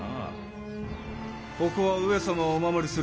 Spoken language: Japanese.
ここは上様をお守りする砦。